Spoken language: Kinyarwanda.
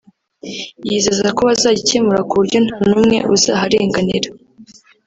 yizeza ko bazagikemura ku buryo nta n’umwe uzaharenganira